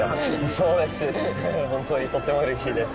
そうです